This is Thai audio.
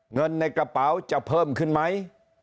เงินในกระเป๋าจะเพิ่มขึ้นไหม